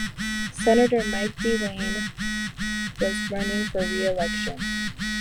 Senator Mike DeWine was running for re-election.